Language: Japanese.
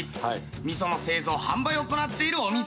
味噌の製造販売を行っているお店。